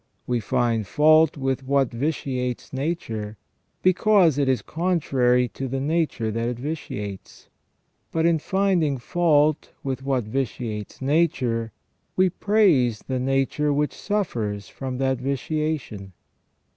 We find fault with what vitiates nature, because it is contrary to the nature that it vitiates ; but in finding fault with what vitiates nature, we praise the nature •which suffers from that vitiation."